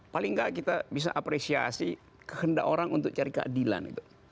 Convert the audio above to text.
paling nggak kita bisa apresiasi kehendak orang untuk cari keadilan gitu